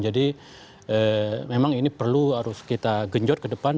jadi memang ini perlu harus kita genjot ke depan